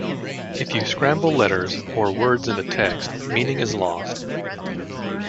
If you scramble letters or words in a text, meaning is lost.